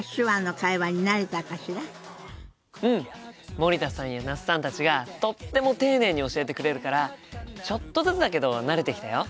森田さんや那須さんたちがとっても丁寧に教えてくれるからちょっとずつだけど慣れてきたよ。